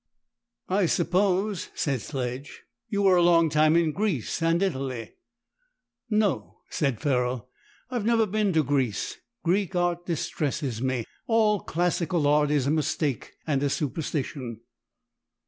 "I suppose," said Sledge, "you were a long time in Greece and Italy?" "No," said Ferrol, "I have never been to Greece. Greek art distresses me. All classical art is a mistake and a superstition."